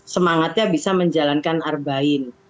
semangatnya bisa menjalankan arba in